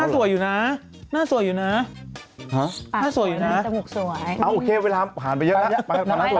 อะไรนางไม่หนาวเหรอหน้าสวยอยู่นะ